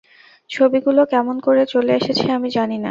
ছবিগুলো কেমন করে চলে এসেছে, আমি জানি না।